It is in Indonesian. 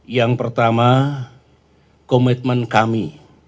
yang pertama komitmen kami